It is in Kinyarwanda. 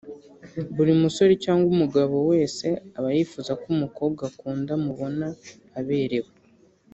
Buri musore cyangwa umugabo wese aba yifuza ko umukobwa akunda amubona aberewe